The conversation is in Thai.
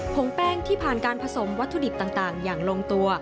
งแป้งที่ผ่านการผสมวัตถุดิบต่างอย่างลงตัว